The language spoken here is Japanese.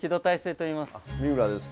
三村です。